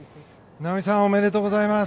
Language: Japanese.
なおみさんおめでとうございます。